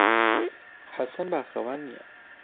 حەسەن باخەوان نییە.